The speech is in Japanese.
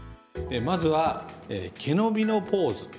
まずはけのびのポーズ。